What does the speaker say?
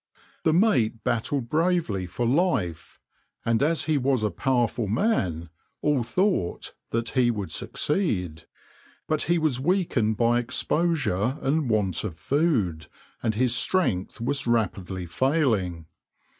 The mate battled bravely for life, and as he was a powerful man, all thought that he would succeed, but he was weakened by exposure and want of food, and his strength was rapidly failing.